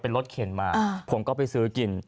เป็นรถเข็นมาผมก็ไปซื้อกิน